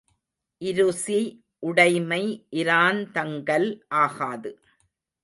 இருசி உடைமை இராந் தங்கல் ஆகாது.